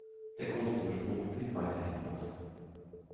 Der große Durchbruch blieb weiterhin aus.